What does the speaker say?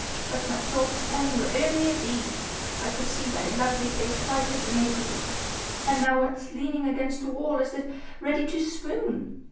But my thoughts then were only of thee. I could see thy lovely face white as the maple leaf, and thou wast leaning against the wall as if ready to swoon.